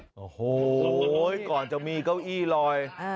โอ้โหก่อนจะมีเก้าอี้ลอย